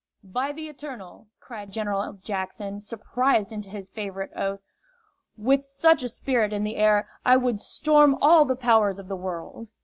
"By the Eternal," cried General Jackson, surprised into his favorite oath, "with such a spirit in the air, I would storm all the powers of the world!"